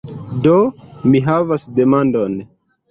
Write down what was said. Do, mi havas demandon.